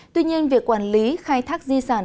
tuy nhiên việc quản lý khai thác di sản